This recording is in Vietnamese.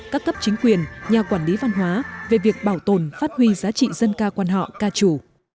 các cấp chính quyền nhà quản lý văn hóa về việc bảo tồn phát huy giá trị dân ca quan họ ca trù